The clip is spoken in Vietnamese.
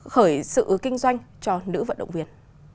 khởi sự kinh doanh cho nữ vận động viên